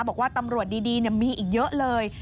บอกว่าตำรวจดีมีอีกเยอะเลย